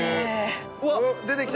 うわっ出てきた。